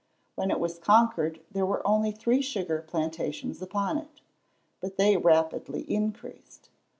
When it was conquered there were only three sugar plantations upon it. But they rapidly increased.